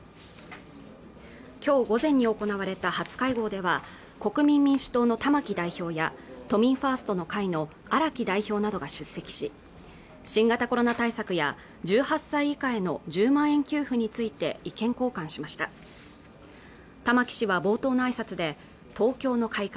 今日午前に行われた初会合では国民民主党の玉木代表や都民ファーストの会の荒木代表などが出席し新型コロナ対策や１８歳以下への１０万円給付について意見交換しました玉木氏は冒頭のあいさつで東京の改革